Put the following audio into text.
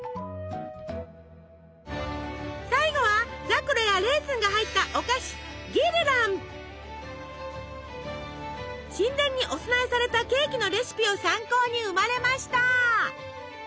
最後はザクロやレーズンが入ったお菓子神殿にお供えされたケーキのレシピを参考に生まれました！